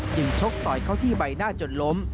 ชกต่อยเขาที่ใบหน้าจนล้ม